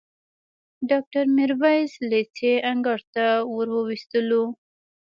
ډاکټر میرویس لېسې انګړ ته وروستلو.